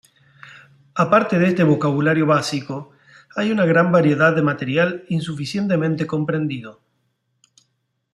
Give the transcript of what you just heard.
Aparte de este vocabulario básico, hay una gran variedad de material insuficientemente comprendido.